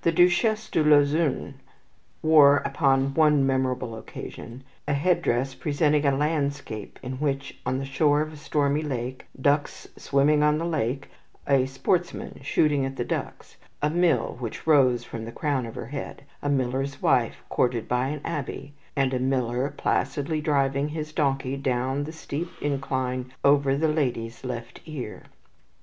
The Duchesse de Lauzun wore upon one memorable occasion a head dress presenting a landscape in high relief on the shore of a stormy lake, ducks swimming on the lake, a sportsman shooting at the ducks, a mill which rose from the crown of her head, a miller's wife courted by an abbe, and a miller placidly driving his donkey down the steep incline over the lady's left ear.